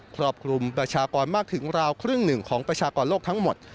ครอบคลุมประชากรมากถึงราวครึ่งหนึ่งของประชากรโลกทั้งหมด